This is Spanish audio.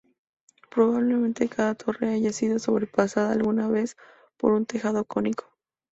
Probablemente cada torre haya sido sobrepasada alguna vez por un tejado cónico.